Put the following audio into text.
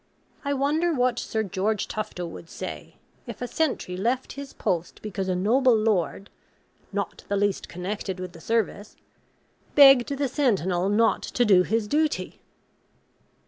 I wonder what Sir George Tufto would say, if a sentry left his post because a noble lord (not the least connected with the service) begged the sentinel not to do his duty!